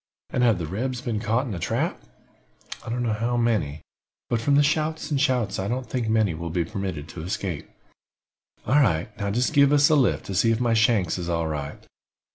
And have the rebs been caught in a trap?" "I don't know how many, but from the shots and shouts I don't think many will be permitted to escape." "All right. Now jist give us a lift, to see if my shanks is all right.